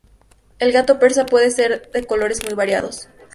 El gato persa puede ser de colores muy variados.